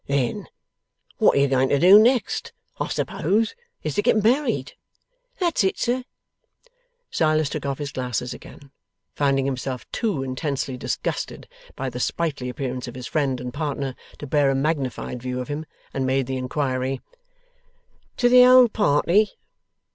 'Then what you're going to do next, I suppose, is to get married?' 'That's it, sir.' Silas took off his glasses again finding himself too intensely disgusted by the sprightly appearance of his friend and partner to bear a magnified view of him and made the inquiry: 'To the old party?